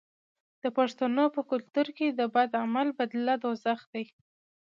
د پښتنو په کلتور کې د بد عمل بدله دوزخ دی.